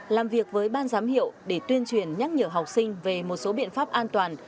làm việc với ban giám hiệu để tuyên truyền nhắc nhở học sinh về một số biện pháp an toàn